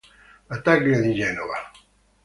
Battaglia di Genova